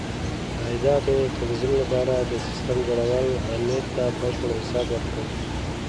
د عایداتو د تنظیم لپاره د سیسټم جوړول امیر ته بشپړ حساب ورکوي.